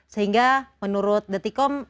sehingga menurut detikkom